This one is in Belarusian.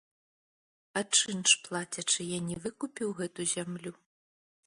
А чынш плацячы, я не выкупіў гэту зямлю?